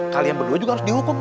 kalian berdua juga harus dihukum